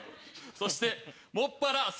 そして。